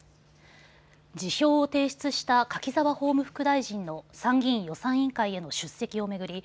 辞表を提出した柿沢法務副大臣の参議院予算委員会への出席を巡り